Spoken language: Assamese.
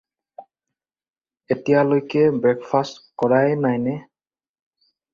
এতিয়ালৈকে ব্ৰেকফাষ্ট কৰাই নাইনে?